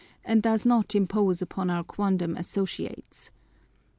and does not impose upon our quondam associates.